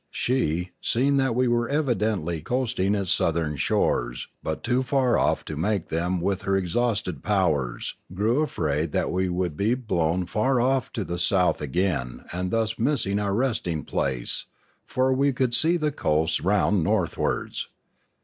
She, seeing that we were evidently coasting its southern shores, but too far off to make them with her exhausted powers, grew afraid that we would be blown far off to the south again and thus miss our resting place; for we could see the coasts round northwards.